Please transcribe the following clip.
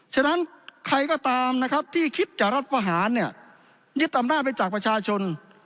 ฉะนั้นใครก็ตามที่คิดจะรัฐธรรมหาลยิดอำนาจไปจากประชาชน